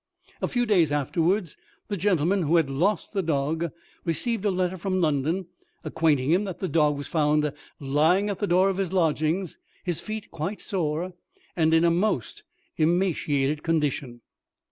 A few days afterwards, the gentleman who had lost the dog received a letter front London, acquainting him that the dog was found lying at the door of his lodgings, his feet quite sore, and in a most emaciated condition.